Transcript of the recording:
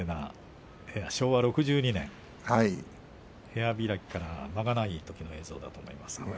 昭和６２年、部屋開きから間がないときの映像だと思います。